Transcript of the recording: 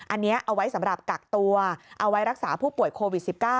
อันนี้เอาไว้สำหรับกักตัวเอาไว้รักษาผู้ป่วยโควิด๑๙